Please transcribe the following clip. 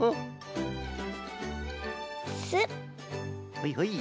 ほいほい。